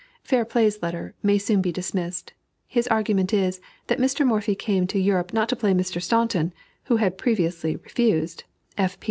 "Fairplay's" letter may soon be dismissed; his argument is, that Mr. Morphy came to Europe not to play Mr. Staunton (who had previously refused, F. P.